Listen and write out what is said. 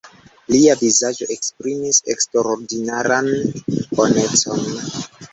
Lia vizaĝo esprimis eksterordinaran bonecon.